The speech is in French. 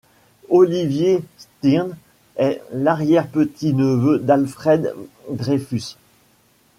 Olivier Stirn est l'arrière-petit neveu d'Alfred Dreyfus.